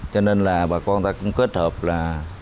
cho nên là bà con ta cũng kết hợp là